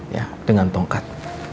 ya dengan tongkat